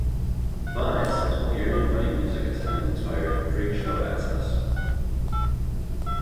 Vai cites Bulgarian wedding music as having inspired "Freak Show Excess".